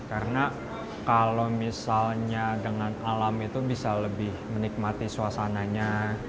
karena kalau misalnya dengan alam itu bisa lebih menikmati suasananya